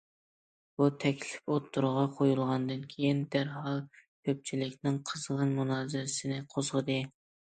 بۇ تەكلىپ ئوتتۇرىغا قويۇلغاندىن كېيىن، دەرھال كۆپچىلىكنىڭ قىزغىن مۇنازىرىسىنى قوزغىدى.